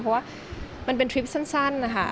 เพราะว่ามันเป็นทริปสั้นนะคะ